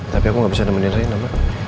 tapi aku nggak bisa nemenin reina mbak